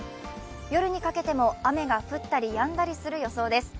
夜にかけても雨が降ったりやんだりする予想です。